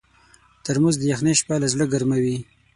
ترموز د یخنۍ شپه له زړه ګرمووي.